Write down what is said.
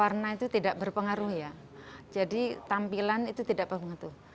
warna itu tidak berpengaruh ya jadi tampilan itu tidak berpengaruh